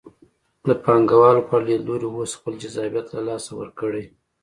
د پانګوالو په اړه لیدلوري اوس خپل جذابیت له لاسه ورکړی.